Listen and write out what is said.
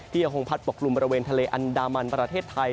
ยังคงพัดปกลุ่มบริเวณทะเลอันดามันประเทศไทย